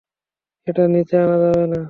এটার নিচে আনা যাবে না।